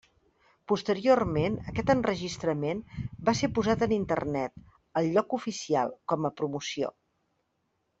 Posteriorment, aquest enregistrament va ser posat en Internet, al lloc oficial, com a promoció.